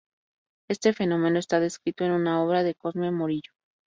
Este fenómeno está descrito en una obra de Cosme Morillo.